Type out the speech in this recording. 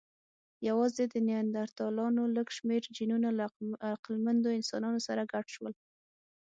یواځې د نیاندرتالانو لږ شمېر جینونه له عقلمنو انسانانو سره ګډ شول.